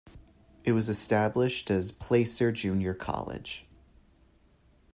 It was established as "Placer Junior College".